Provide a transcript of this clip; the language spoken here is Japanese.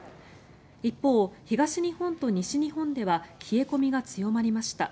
一方、東日本と西日本では冷え込みが強まりました。